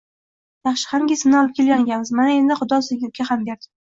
Yaxshi hamki, seni olib kelgan ekamiz, mana endi Xudo senga uka ham berdi